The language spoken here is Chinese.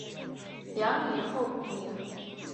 梁以后不明。